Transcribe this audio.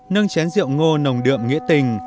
nâng chén rượu ngô nồng đượm nghĩa tình